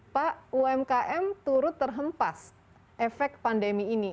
pak umkm turut terhempas efek pandemi ini